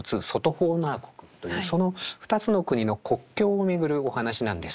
ホーナー国というその２つの国の国境を巡るお話なんです。